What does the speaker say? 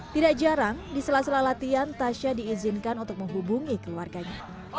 tidak jarang di sela sela latihan tasha diizinkan untuk menghubungi keluarganya